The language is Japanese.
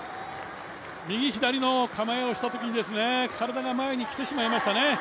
右、左の構えをしたときに体が前にきてしまいましたね。